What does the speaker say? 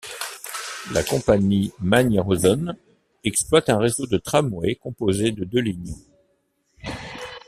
La compagnie Manyōsen exploite un réseau de tramways composé de deux lignes.